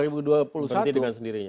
berhenti dengan sendirinya